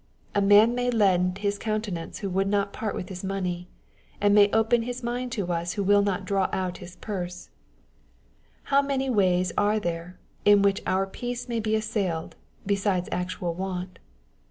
A man may lend his countenance who will not part with his money, and open his mind to us who will not draw out his purse. How many ways are there, in which our peace may be assailed, besides actual want!